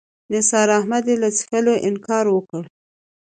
نثار احمدي له څښلو انکار وکړ.